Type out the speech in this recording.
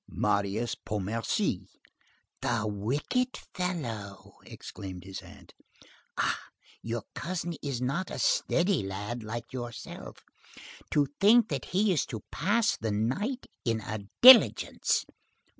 "Marius Pontmercy." "The wicked fellow!" exclaimed his aunt. "Ah! your cousin is not a steady lad like yourself. To think that he is to pass the night in a diligence!"